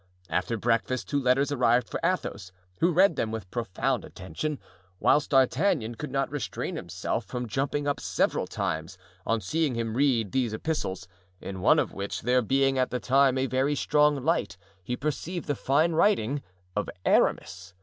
After breakfast two letters arrived for Athos, who read them with profound attention, whilst D'Artagnan could not restrain himself from jumping up several times on seeing him read these epistles, in one of which, there being at the time a very strong light, he perceived the fine writing of Aramis.